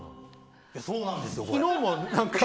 そうなんですよ、これ。